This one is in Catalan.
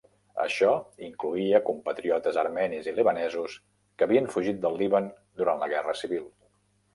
Això incloïa compatriotes armenis i libanesos que havien fugit del Líban durant la Guerra Civil.